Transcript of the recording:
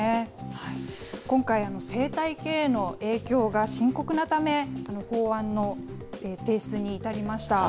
今回、生態系への影響が深刻なため、法案の提出に至りました。